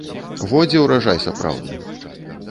Во дзе ўраджай сапраўдны.